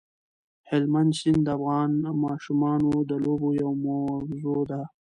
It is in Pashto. هلمند سیند د افغان ماشومانو د لوبو یوه موضوع ده.